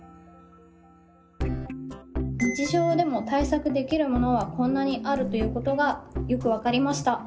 日常でも対策できるものはこんなにあるということがよく分かりました。